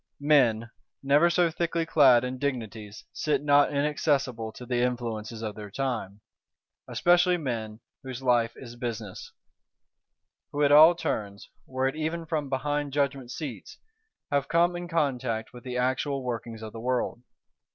Men, though never so thickly clad in dignities, sit not inaccessible to the influences of their time; especially men whose life is business; who at all turns, were it even from behind judgment seats, have come in contact with the actual workings of the world.